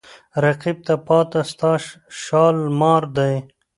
رقیب ته پاته ستا شالمار دی